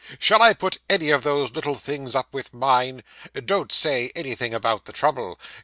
Shall I put any of those little things up with mine? Don't say anything about the trouble.